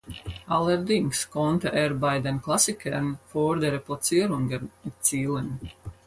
Allerdings konnte er bei den Klassikern vordere Platzierungen erzielen.